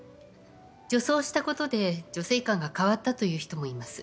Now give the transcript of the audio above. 女装したことで女性観が変わったという人もいます。